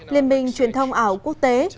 liên minh truyền thông ảo quốc tế